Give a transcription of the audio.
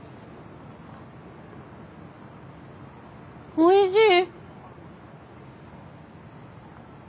おいしい！